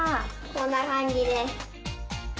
こんな感じです。